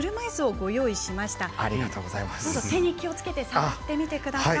どうぞ、手に気をつけて触ってみてください。